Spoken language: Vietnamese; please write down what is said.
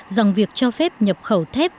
rằng việc cho phép nhập khẩu thép